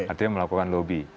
artinya melakukan lobby